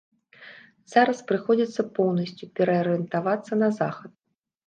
Зараз прыходзіцца поўнасцю пераарыентавацца на захад.